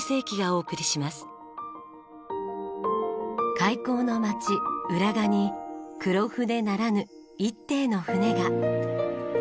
開港のまち浦賀に黒船ならぬ一艇の船が。